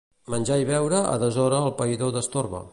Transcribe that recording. Menjar i beure a deshora el païdor destorba.